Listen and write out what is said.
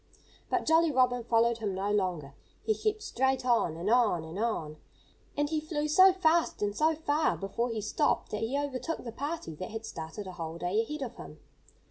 But Jolly Robin followed him no longer. He kept straight on, and on, and on. And he flew so fast and so far before he stopped that he overtook the party that had started a whole day ahead of him.